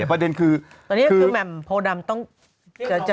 ประเด็นคือตอนนี้คือแบบโพดรามต้องจะเรียกรอบ